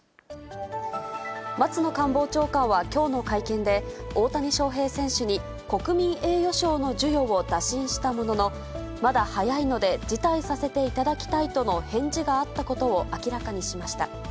松野官房長官はきょうの会見で、大谷翔平選手に、国民栄誉賞の授与を打診したものの、まだ早いので辞退させていただきたいとの返事があったことを明らかにしました。